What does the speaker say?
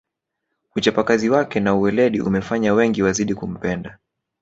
uchapakazi wake na uweledi umefanya wengi wazidi kumpenda